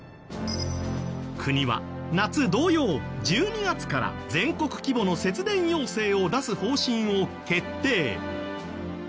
国は夏同様１２月から全国規模の節電要請を出す方針を決定。